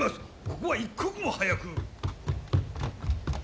ここは一刻も早く。